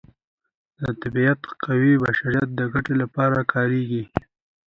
د طبیعت قوې د بشریت د ګټې لپاره کاریږي.